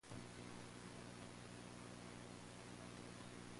For decades, Johnson received no credit.